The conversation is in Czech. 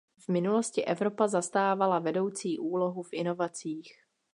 V minulosti Evropa zastávala vedoucí úlohu v inovacích.